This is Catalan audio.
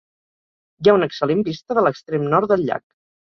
Hi ha una excel·lent vista de l'extrem nord del llac.